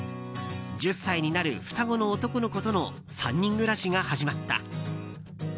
１０歳になる双子の男の子との３人暮らしが始まった。